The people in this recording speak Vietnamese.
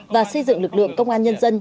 và xây dựng lực lượng công an nhân dân